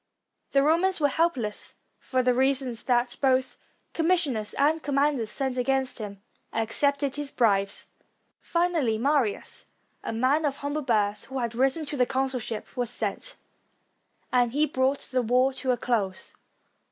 The Romans were helpless, for the reason that both com missioners and commanders sent against him accepted his bribes. Finally, Marius, a man of humble birth, who had risen to the consulship, was sent, and he brought the war to a close.